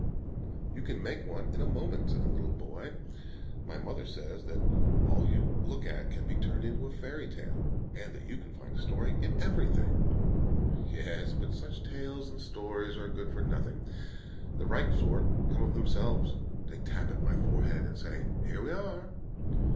"You can make one in a moment," said the little boy. "My mother says that all you look at can be turned into a fairy tale: and that you can find a story in everything." "Yes, but such tales and stories are good for nothing. The right sort come of themselves; they tap at my forehead and say, 'Here we are.'"